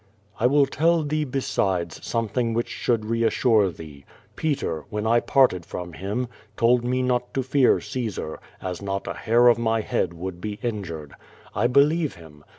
I will tell thee, besides, something which should reassure thee. Peter, when I parted from him, told me not to fear Caesar, as not a hair of my head would be injured. I believe him.